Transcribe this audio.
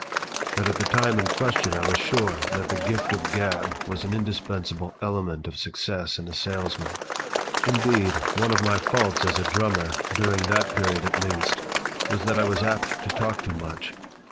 But at the time in question I was sure that the "gift of the gab" was an indispensable element of success in a salesman. Indeed, one of my faults as a drummer, during that period at least, was that I was apt to talk too much.